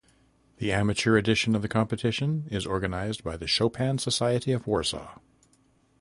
The amateur edition of the competition is organized by the Chopin Society of Warsaw.